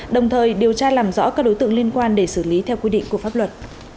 đồng thời điều tra làm rõ các đối tượng liên quan để xử lý theo quy định của pháp luật